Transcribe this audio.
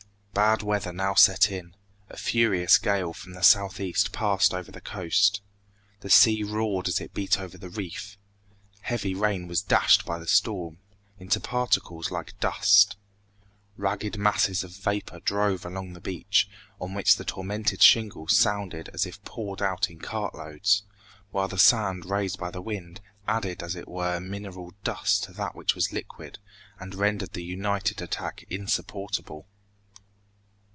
Bad weather now set in. A furious gale from the southeast passed over the coast. The sea roared as it beat over the reef. Heavy rain was dashed by the storm into particles like dust. Ragged masses of vapor drove along the beach, on which the tormented shingles sounded as if poured out in cart loads, while the sand raised by the wind added as it were mineral dust to that which was liquid, and rendered the united attack insupportable.